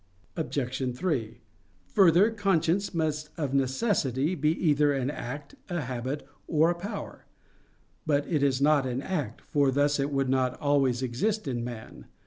Obj. 3: Further, conscience must of necessity be either an act, a habit, or a power. But it is not an act; for thus it would not always exist in man.